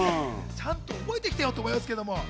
ちゃんと覚えてきてよ！と思いますけど。